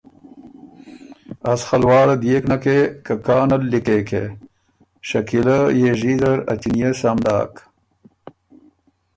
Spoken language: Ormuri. از خه لواړه دئېک نکې که کانل لیکېکې؟ شکیله يېژي زر ا چِنيې سم داک۔